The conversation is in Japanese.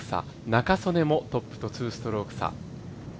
仲宗根もトップと２ストローク差。